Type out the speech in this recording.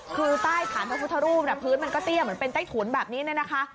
คือใต้ฐานพระพุทธรูปพื้นมันก็เตี้ยเหมือนเป็นใต้ถุนแบบนี้เนี่ยนะคะ